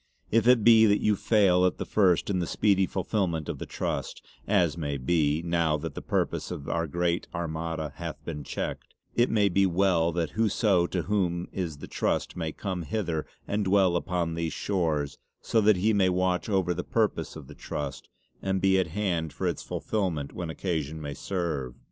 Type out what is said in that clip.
If it be that you fail at the first in the speedy fullfillment of the Trust as may be, now that the purpose of our great Armada hath been checked it may be well that whoso to whom is the Trust may come hither and dwell upon these shores so that he may watch over the purpose of the Trust and be at hand for its fullfillment when occasion may serve.